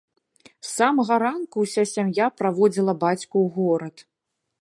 З самага ранку ўся сям'я праводзіла бацьку ў горад.